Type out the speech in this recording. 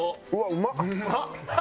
うまっ！